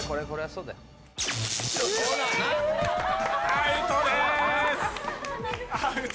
アウトでーす。